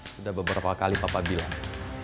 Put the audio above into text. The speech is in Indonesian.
sudah beberapa kali papa bilang